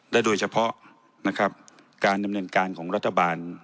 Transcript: และโดยเฉพาะนะครับการดำเนินการของรัฐบาล